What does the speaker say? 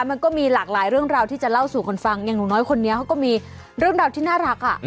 มันก็มีหลากหลายเรื่องราวที่จะเล่าสู่กันฟังอย่างหนูน้อยคนนี้เขาก็มีเรื่องราวที่น่ารักอ่ะ